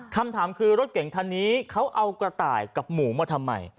คำถามคือรถเก่งคันนี้เขาเอากระต่ายกับหมูมาทำไม